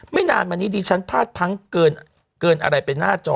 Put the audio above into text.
นานมานี้ดิฉันพลาดพังเกินอะไรไปหน้าจอ